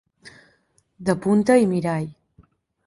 De punta i mirall.